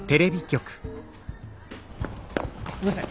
すいません